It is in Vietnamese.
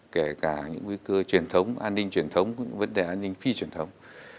kể cả những nguy cơ truyền thống an ninh truyền thống vấn đề an ninh phi truyền thống